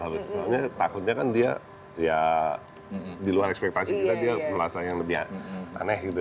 soalnya takutnya kan dia ya di luar ekspektasi kita dia merasa yang lebih aneh gitu